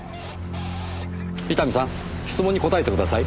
伊丹さん質問に答えてください。